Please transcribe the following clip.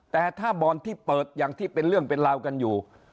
แต่ถ้าบ่อนที่เปิดอย่างที่เป็นเรื่องเป็นราวกันอยู่